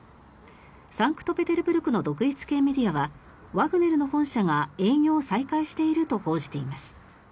サンクトペテルブルクの独立系メディアはワグネルの本社が営業を再開していると報じています。